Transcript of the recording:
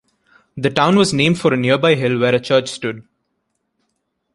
The town was named for a nearby hill where a church stood.